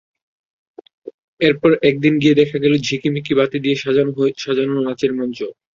এরপর একদিন গিয়ে দেখা গেল ঝিকিমিকি বাতি দিয়ে সাজানো নাচের মঞ্চ।